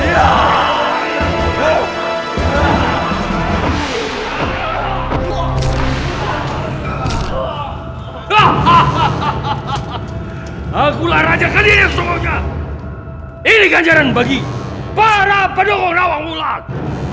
hahahaha akulah raja kecil soalnya ini ganjaran bagi para pendukung rawang ulat